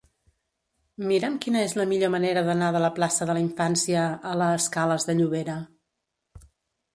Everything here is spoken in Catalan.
Mira'm quina és la millor manera d'anar de la plaça de la Infància a la escales de Llobera.